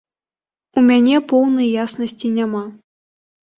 У мяне поўнай яснасці няма.